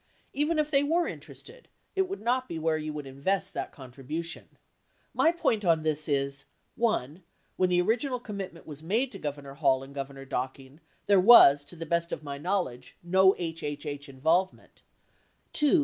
Even if they were interested, it would not be where you would invest that contribution. My point on this is : one, when the original commitment was made to Governor Hall and Governor Docking, there was, to the best of my knowl edge, no HHH involvement ; two.